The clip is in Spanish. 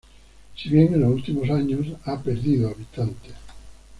Si bien, en los últimos años ha perdido habitantes.